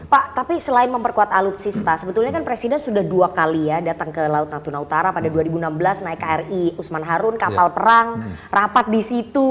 pak tapi selain memperkuat alutsista sebetulnya kan presiden sudah dua kali ya datang ke laut natuna utara pada dua ribu enam belas naik kri usman harun kapal perang rapat di situ